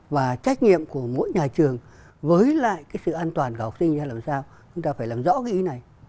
và trách nhiệm của mỗi nhà trường với lại cái sự an toàn của học sinh như thế nào làm sao chúng ta phải làm rõ cái ý này